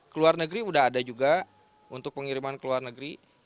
keluar negeri sudah ada juga untuk pengiriman keluar negeri